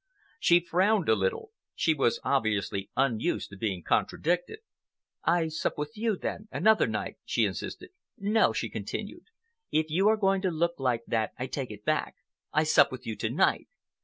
She frowned a little. She was obviously unused to being contradicted. "I sup with you, then, another night," she insisted. "No," she continued, "If you are going to look like that, I take it back. I sup with you to night.